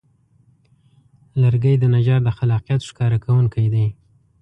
لرګی د نجار د خلاقیت ښکاره کوونکی دی.